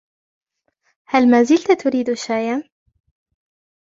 هل مازلتَ تريد شاياً؟